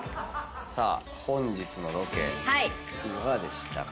さあ本日のロケいかがでしたか？